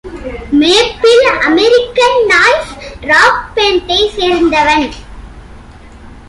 மேப்பில் American noise rock பேண்டை சேர்ந்தவன்.